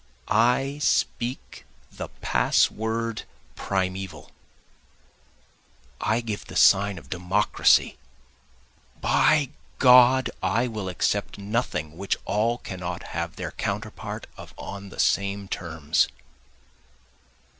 I speak the pass word primeval, I give the sign of democracy, By God! I will accept nothing which all cannot have their counterpart of on the same terms.